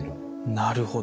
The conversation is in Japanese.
なるほど。